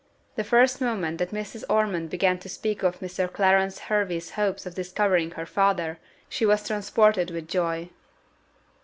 The first moment that Mrs. Ormond began to speak of Mr. Clarence Hervey's hopes of discovering her father, she was transported with joy.